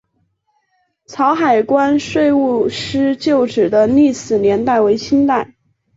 潮海关税务司旧址的历史年代为清代。